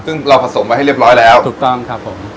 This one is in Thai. ซึ่งเราผสมไว้ให้เรียบร้อยแล้วถูกต้องครับผม